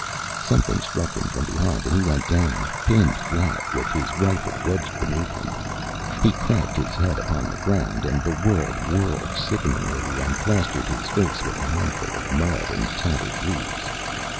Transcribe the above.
Something struck him from behind and he went down, pinned flat, with his rifle wedged beneath him. He cracked his head upon the ground and the world whirled sickeningly and plastered his face with a handful of mud and tattered leaves.